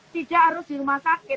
tidak harus di rumah sakit